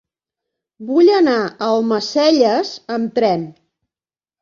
Vull anar a Almacelles amb tren.